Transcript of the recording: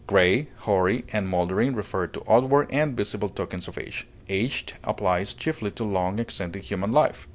Gray, hoary, and moldering refer to outward and visible tokens of age. Aged applies chiefly to long extended human life.